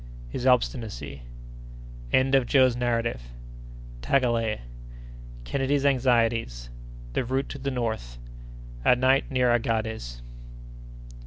—His Obstinacy.—End of Joe's Narrative.—Tagelei.—Kennedy's Anxieties.—The Route to the North.—A Night near Aghades.